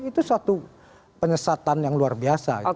itu suatu penyesatan yang luar biasa